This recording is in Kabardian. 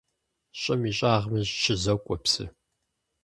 ЩӀым и щӀагъми щызокӀуэ псы.